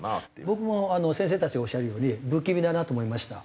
僕も先生たちがおっしゃるように不気味だなと思いました。